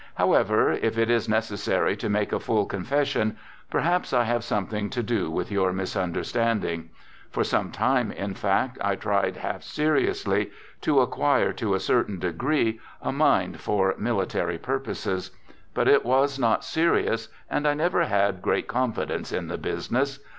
However, if it is necessary to make a full con fession, perhaps I have something to do with your misunderstanding. For some time, in fact, I tried, half seriously, to acquire, to a certain degree, a mind " for military purposes." But it was not serious, and I never had great confidence in the business.